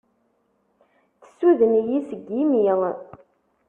Tessuden-iyi-d seg yimi.